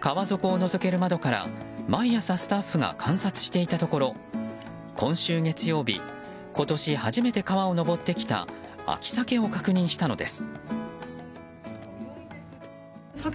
川底をのぞける窓から毎朝スタッフが観察していたところ今週月曜日、今年初めて川を上ってきた秋サケを確認したのです。